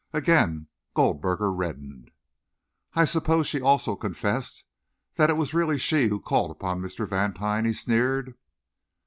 Again Goldberger reddened. "I suppose she also confessed that it was really she who called upon Mr. Vantine?" he sneered.